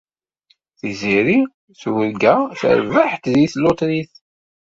Tiziri turga terbeḥ-d deg tlutrit.